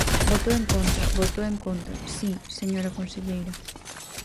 Votou en contra; votou en contra, si, señora conselleira.